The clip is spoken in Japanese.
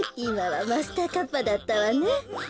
いまはマスターカッパーだったわね。